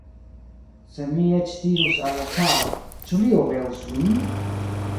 Se mi eĉ dirus al la caro, ĉu li obeus min?